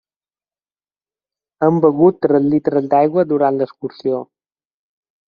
Hem begut tres litres d'aigua durant l'excursió.